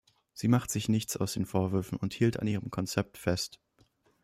Sie machte sich nichts aus den Vorwürfen und hielt an ihrem Konzept fest.